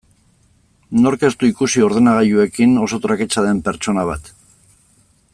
Nork ez du ikusi ordenagailuekin oso traketsa den pertsona bat?